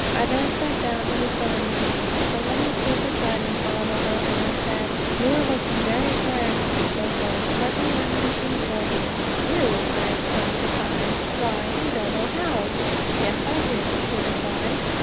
I then sat down to the sewing machine. The woman stood beside me for a little, and then said: "You are looking very tired, Mrs. Goforth; let me run the machine for you." "You!" I exclaimed, astonished, "why, you don't know how." "Yes, I do," she replied.